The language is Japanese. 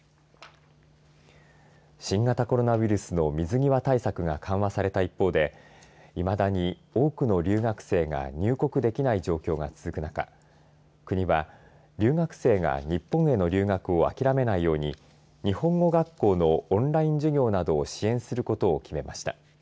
新型コロナウイルスの水際対策が緩和された一方でいまだに多くの留学生が入国できない状況が続く中国は留学生が日本への留学を諦めないように日本語学校のオンライン授業などを支援することを決めました。